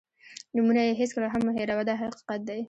نومونه یې هېڅکله هم مه هېروه دا حقیقت دی.